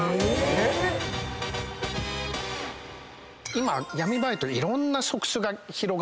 今闇バイトいろんな職種が広がっててですね。